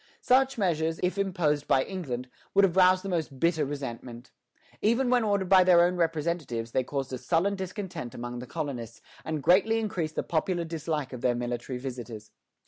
Such measures, if imposed by England, would have roused the most bitter resentment. Even when ordered by their own representatives, they caused a sullen discontent among the colonists, and greatly increased the popular dislike of their military visitors.